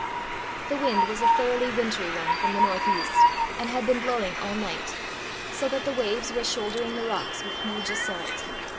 The wind was a thoroughly wintry one from the north east, and had been blowing all night, so that the waves were shouldering the rocks with huge assault.